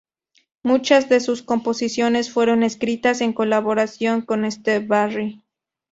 Muchas de sus composiciones fueron escritas en colaboración con Steve Barri.